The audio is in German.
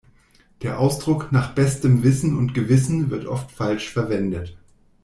Der Ausdruck "nach bestem Wissen und Gewissen" wird oft falsch verwendet.